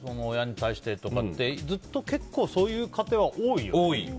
親に対して！とかずっと結構そういう家庭は多いよ。